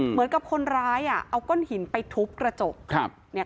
เหมือนกับคนร้ายอ่ะเอาก้นหินไปทุบกระโจก